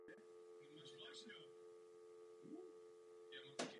Garyho Graye potěšil.